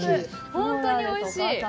本当においしい。